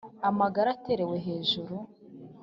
Amagara aterewe hejuru